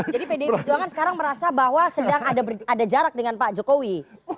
jadi pdi perjuangan sekarang merasa bahwa sedang ada jarak dengan pak jokowi